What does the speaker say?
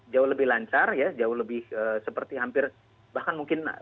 jauh lebih lancar ya jauh lebih seperti hampir bahkan mungkin